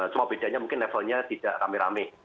cuma bedanya mungkin levelnya tidak rame rame